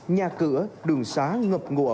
nhà cửa đường xá ngập ngộ